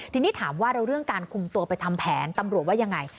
ทีนี้ถามว่าแล้วเรื่องการคุมตัวไปทำแผนตำรวจว่ายังไง